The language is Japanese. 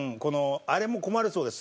あれも困るそうです